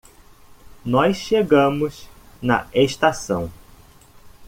Nós chegamos na estação